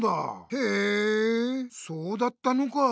へえそうだったのかあ。